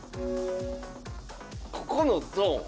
ここのゾーン。